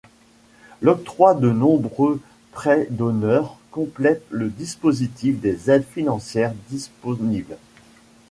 L'octroi de nombreux prêts d'honneur complète le dispositif des aides financières disponibles.